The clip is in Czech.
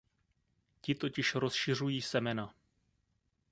Ti totiž rozšiřují semena.